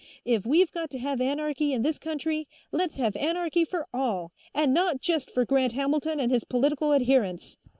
If we've got to have anarchy in this country, let's have anarchy for all, and not just for Grant Hamilton and his political adherents!"